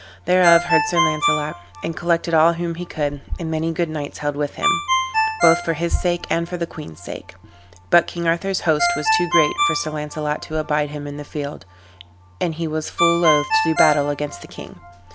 Thereof heard Sir Launcelot, and collected all whom he could; and many good knights held with him, both for his sake and for the queen's sake. But King Arthur's host was too great for Sir Launcelot to abide him in the field; and he was full loath to do battle against the king.